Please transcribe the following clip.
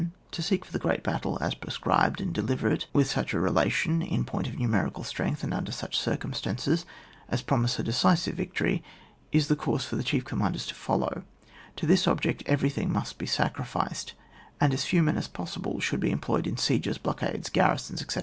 To seek for the great battle, as pre scribed, and deliver it with such a rela tion, in point of numerical strength and under such circumstances, as promise a decisive victory, is the course for the chief commanders to follow; to this object every thing must be sacriflced ; and as few men as possible should be employed in sieges, blockades, garrisons, etc.